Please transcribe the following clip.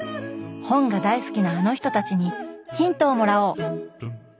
本が大好きなあの人たちにヒントをもらおう！